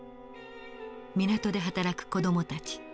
港で働く子どもたち。